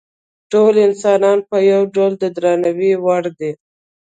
ټول انسانان په یو ډول د درناوي وړ دي.